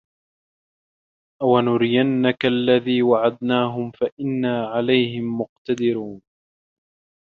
أَو نُرِيَنَّكَ الَّذي وَعَدناهُم فَإِنّا عَلَيهِم مُقتَدِرونَ